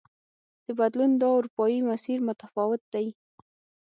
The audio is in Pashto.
د بدلون دا اروپايي مسیر متفاوت دی.